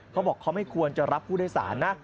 เขาบอกเขาไม่ควรจะรับผู้โดยสารนะ